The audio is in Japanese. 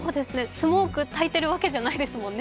スモークたいてるわけじゃないですもんね。